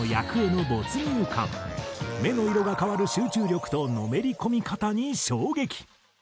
目の色が変わる集中力とのめり込み方に衝撃。